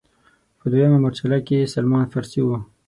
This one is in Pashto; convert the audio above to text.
په دویمه مورچله کې سلمان فارسي و.